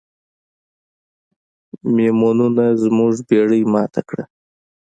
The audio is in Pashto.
میمونونو زموږ بیړۍ ماته کړه.